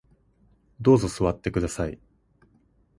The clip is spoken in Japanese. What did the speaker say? どうぞ座ってください